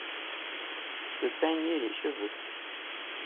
Se peigner les cheveux.